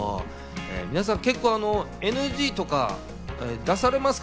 皆さん結構ＮＧとか出されますか？